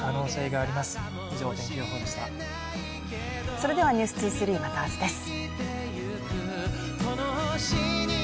それでは「ｎｅｗｓ２３」、また明日です。